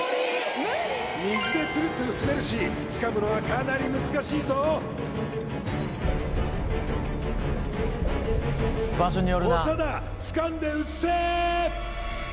水でツルツル滑るしつかむのはかなり難しいぞ長田つかんで移せー！